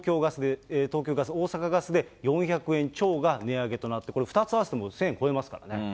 東京ガス、大阪ガスで４００円超が値上げとなって、これ２つ合わせて１０００超えますからね。